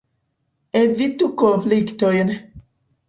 Evitu konfliktojn!